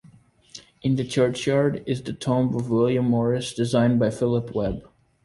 In the churchyard is the tomb of William Morris, designed by Philip Webb.